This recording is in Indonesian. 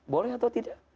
boleh atau tidak